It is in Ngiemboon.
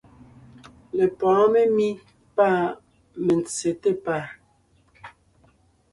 Lepɔ̌ɔn memí pâ mentse té pàa.